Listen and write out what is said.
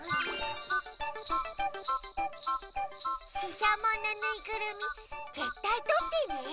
ししゃものぬいぐるみぜったいとってね。